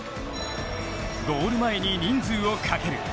ゴール前に人数をかける。